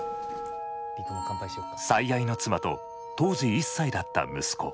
最愛の妻と当時１歳だった息子。